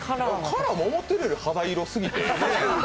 カラーも思ってるより、肌色すぎて。